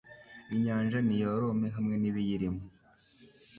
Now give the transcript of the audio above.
Inyanja niyorome hamwe n’ibiyirimo